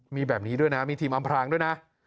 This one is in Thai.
มีแบบนี้ด้วยนะมีทีมอำพรางด้วยนะ